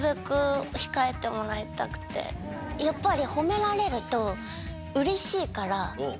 やっぱり。